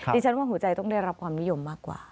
ดิฉันว่าหัวใจต้องได้รับความนิยมมากกว่า